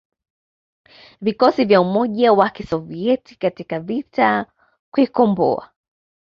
vikosi vya umoja wa Kisoviet katika vita kuikomboa